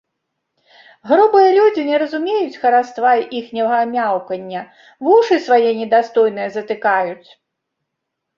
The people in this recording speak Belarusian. Грубыя людзі не разумеюць хараства іхняга мяўкання, вушы свае недастойныя затыкаюць.